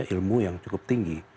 ilmu yang cukup tinggi